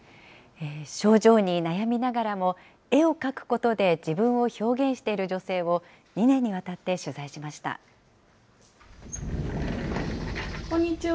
症状に悩みながらも、絵を描くことで自分を表現している女性こんにちは。